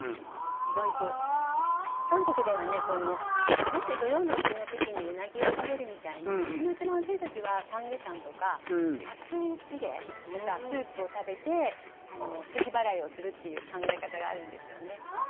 日本で土用の丑の時にうなぎを食べるみたいにいちばん暑い時はサムゲタンとか熱いチゲとかスープを食べて暑気払いをするという考え方があるんですよね。